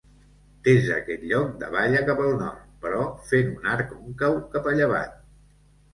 Des d'aquest lloc davalla cap al nord, però fent un arc còncau cap a llevant.